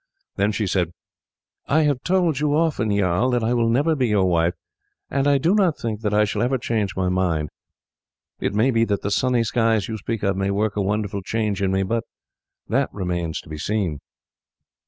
Then she said: "I have told you often, jarl, that I will never be your wife, and I do not think that I shall ever change my mind. It may be that the sunny skies you speak of may work a wonderful change in me, but that remains to be seen."